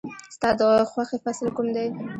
ستا د خوښې فصل کوم دی؟